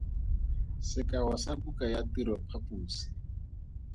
Sekao sa buka ya tiro phaposi.